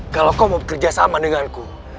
kalau kau mau bekerja sama denganku